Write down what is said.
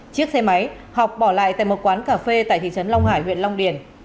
chiếc xe máy học bỏ lại tại một quán cà phê tại thị trấn long hải huyện long điền